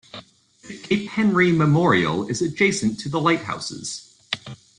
The Cape Henry Memorial is adjacent to the lighthouses.